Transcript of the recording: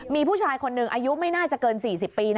มีผู้ชายคนหนึ่งอายุไม่น่าจะเกิน๔๐ปี